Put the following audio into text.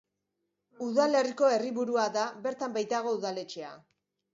Udalerriko herriburua da, bertan baitago udaletxea.